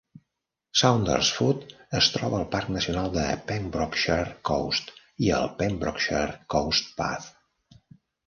Saundersfoot es troba al Parc Nacional de Pembrokeshire Coast i al Pembrokeshire Coast Path.